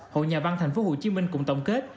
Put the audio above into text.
hội nhà văn tp hcm cùng tổng kết